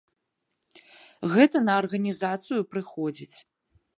Гэта на арганізацыю прыходзіць.